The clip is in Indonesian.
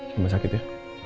sama sakit ya